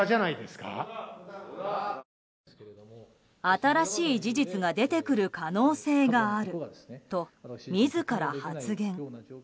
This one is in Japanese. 新しい事実が出てくる可能性があると自ら発言。